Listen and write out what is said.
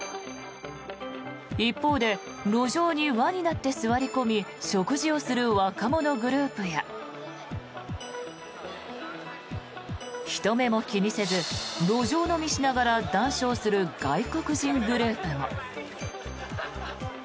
一方で路上に輪になって座り込み食事をする若者グループや人目も気にせず路上飲みしながら談笑する外国人グループも。